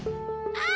ああ。